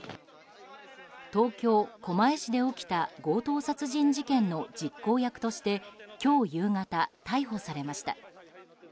東京・狛江市で起きた強盗殺人事件の実行役として今日夕方、逮捕されました。